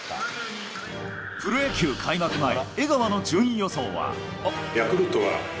プロ野球開幕前江川の順位予想は。